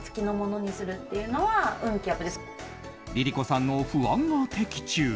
ＬｉＬｉＣｏさんの不安が的中。